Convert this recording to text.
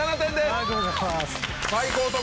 ありがとうございます。